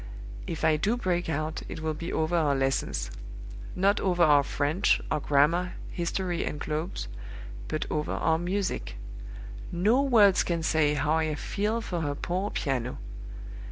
If I do break out, it will be over our lessons not over our French, our grammar, history, and globes but over our music. No words can say how I feel for her poor piano.